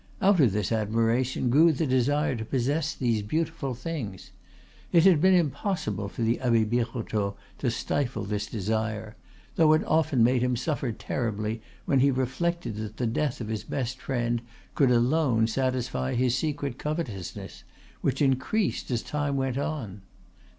Out of this admiration grew the desire to possess these beautiful things. It had been impossible for the Abbe Birotteau to stifle this desire; though it often made him suffer terribly when he reflected that the death of his best friend could alone satisfy his secret covetousness, which increased as time went on.